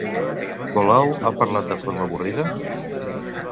Colau ha parlat de forma avorrida?